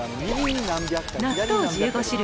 納豆１５種類